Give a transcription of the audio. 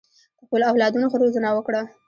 د خپلو اولادونو ښه روزنه وکړه.